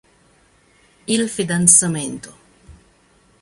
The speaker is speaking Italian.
Il fidanzamento